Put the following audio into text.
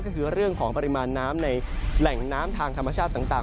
ก็คือเรื่องของปริมาณน้ำในแหล่งน้ำทางธรรมชาติต่าง